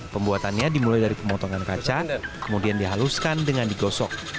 pembuatannya dimulai dari pemotongan kaca kemudian dihaluskan dengan digosok